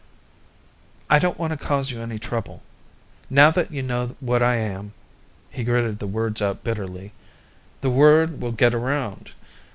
"I don't want to cause you any trouble. Now that you know what I am " he gritted the words out bitterly, "the word will get around.